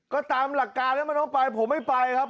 ก็ตามหลักการแล้วมันต้องไปผมไม่ไปครับ